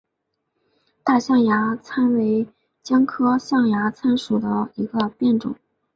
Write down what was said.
大象牙参为姜科象牙参属下的一个变种。